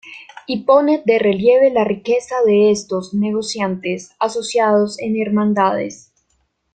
Y pone de relieve la riqueza de estos "negociantes" asociados en hermandades.